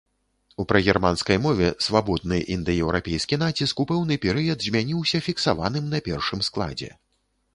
У прагерманскай мове свабодны індаеўрапейскі націск у пэўны перыяд змяніўся фіксаваным на першым складзе.